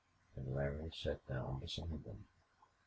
And Larry sat down beside them.